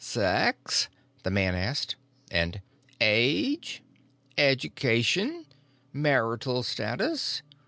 "Sex?" the man asked, and "Age?" "Education?" "Marital status?"